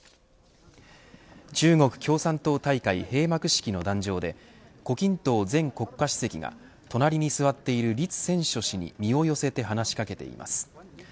中国共産党大会閉幕式の壇上で胡錦濤前国家主席が隣に座っている栗戦書氏に身を寄せて話し掛けています。